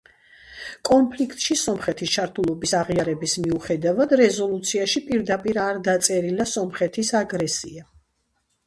კონფლიქტში სომხეთის ჩართულობის აღიარების მიუხედავად, რეზოლუციაში პირდაპირ არ დაწერილა სომხეთის აგრესია.